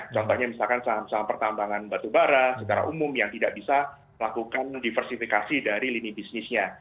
contohnya misalkan saham saham pertambangan batubara secara umum yang tidak bisa melakukan diversifikasi dari lini bisnisnya